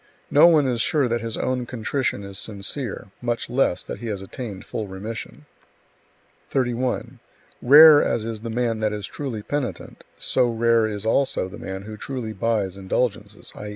No one is sure that his own contrition is sincere; much less that he has attained full remission. 31. Rare as is the man that is truly penitent, so rare is also the man who truly buys indulgences, i.